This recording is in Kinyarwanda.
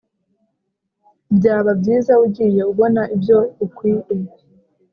Byaba byiza ugiye ubona ibyo ukwie